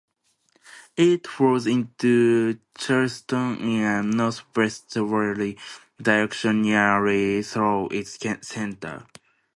It flows into Charleston, in a northwesterly direction nearly through its center.